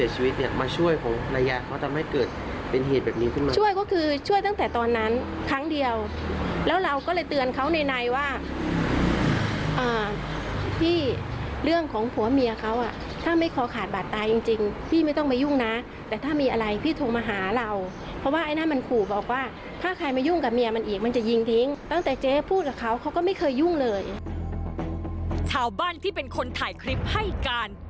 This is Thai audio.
ชาวบ้านที่เป็นคนถ่ายคลิปให้การ